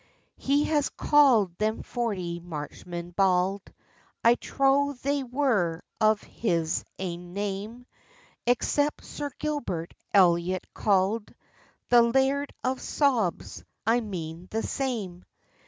He has calld him forty marchmen bauld, I trow they were of his ain name, Except Sir Gilbert Elliot, calld The Laird of Stobs, I mean the same.